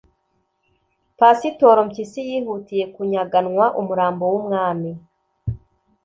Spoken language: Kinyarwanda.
pasitoro Mpyisi yihutiye kunyaganwa umurambo w’umwami